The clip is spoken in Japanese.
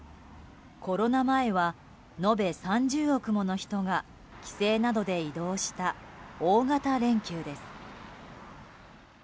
コロナ前は延べ３０億もの人が帰省などで移動した大型連休です。